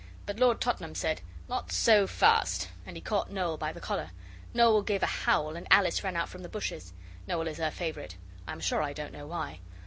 But Lord Tottenham said 'Not so fast!' And he caught Noel by the collar. Noel gave a howl, and Alice ran out from the bushes. Noel is her favourite. I'm sure I don't know why.